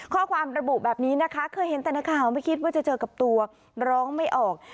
ข้อความระบุแบบนี้นะคะเคยเห็นแต่ในข่าวไม่คิดว่าจะเจอกับตัวร้องไม่ออก